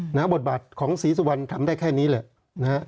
หน้าบทบาทของศรีสุวรรณทำได้แค่นี้แหละนะฮะ